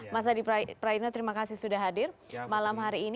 mas adi prayitno terima kasih sudah hadir malam hari ini